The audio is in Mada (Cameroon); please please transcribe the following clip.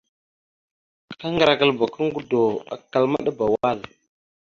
Kaŋgarəkaləba aka ŋgədo, akkal, maɗəba wal.